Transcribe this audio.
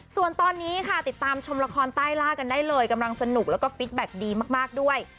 ส่วนตอนนี้ค่ะติดตามชมละครใต้ล่ากันได้เลยกำลังสนุกแล้วก็ฟิตแบ็คดีมากด้วย